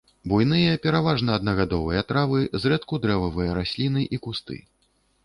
Буйныя, пераважна аднагадовыя травы, зрэдку дрэвавыя расліны і кусты.